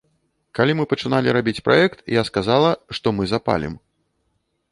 Калі мы пачыналі рабіць праект, я сказала, што мы запалім.